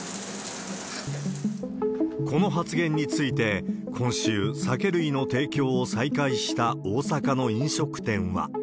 この発言について、今週、酒類の提供を再開した大阪の飲食店は。